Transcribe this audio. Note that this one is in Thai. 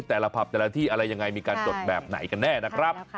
แต่ละผับแต่ละที่อะไรยังไงมีการจดแบบไหนกันแน่นะครับ